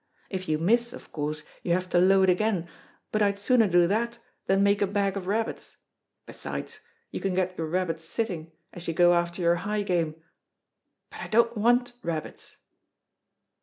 If you miss of course you have to load again, but I'd sooner do that than make a bag of rabbits. Besides, you can get your rabbits sitting, as you go after your high game. But I don't want rabbits."